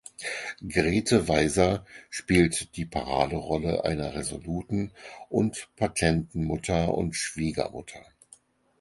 Grethe Weiser spielt die Paraderolle einer resoluten und patenten Mutter und Schwiegermutter.